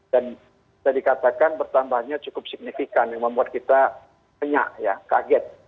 dan saya dikatakan bertambahnya cukup signifikan membuat kita penyak kaget